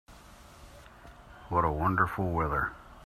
What a wonderful weather!